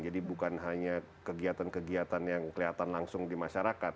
jadi bukan hanya kegiatan kegiatan yang kelihatan langsung di masyarakat